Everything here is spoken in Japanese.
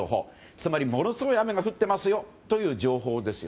つまりものすごい雨が降っていますよという情報です。